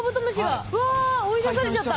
うわ追い出されちゃった。